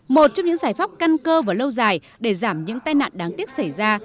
một trong những giải pháp căn cơ và lâu dài để giảm những tai nạn đáng tiếc xảy ra